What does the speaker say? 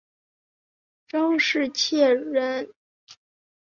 张时彻人。